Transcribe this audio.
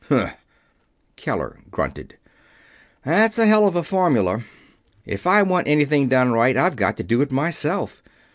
"Umngpf." Keller grunted. "That's a hell of a formula if I want anything done right I've got to do it myself.